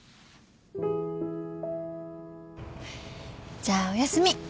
じゃあおやすみ。